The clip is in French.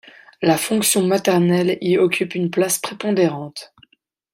La fonction maternelle y occupe une place prépondérante.